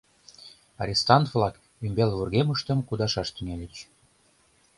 Арестант-влак ӱмбал вургемыштым кудашаш тӱҥальыч.